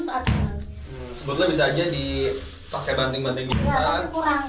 sebetulnya bisa aja dipakai banting banting minuman